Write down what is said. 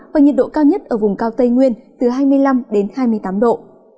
và nhiệt độ cao nhất ở vùng cao tây nguyên từ hai mươi năm đến hai mươi tám độ